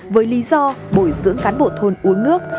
với lý do bồi dưỡng cán bộ thôn uống nước